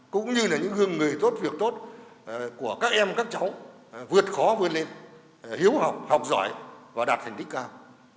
cũng như là những gương người tốt việc tốt của các em các cháu vượt khó vươn lên hiếu học học giỏi và đạt thành tích cao